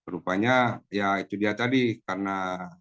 rupanya ya itu dia tadi karena